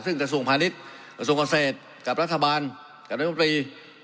ซึ่งกระทรวงพาณิชย์กระทรวงเกษตรกับรัฐบาลกับรัฐมนตรี